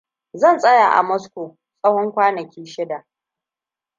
Zan tsaya a Moscow tsahon kwanaki shida.